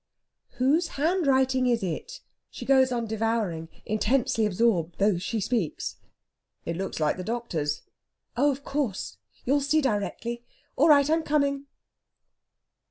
"Whose handwriting is it?" She goes on devouring, intensely absorbed, though she speaks. "It looks like the doctor's." "Of course! You'll see directly.... All right, I'm coming!"